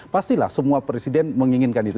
pastilah semua presiden menginginkan itu